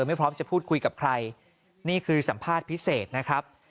ไม่พร้อมจะพูดคุยกับใครนี่คือสัมภาษณ์พิเศษนะครับ